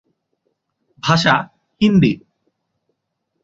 ভাষা হিন্দী।